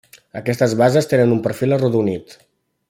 Aquestes bases tenen un perfil arrodonit.